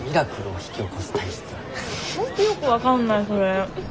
本当よく分かんないそれ。